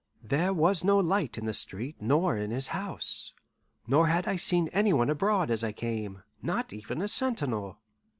There was no light in the street nor in his house, nor had I seen any one abroad as I came, not even a sentinel.